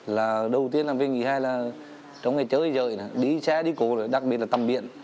là đầu tiên làm việc thứ hai là trong ngày chơi rời đi xe đi cổ đặc biệt là tầm biện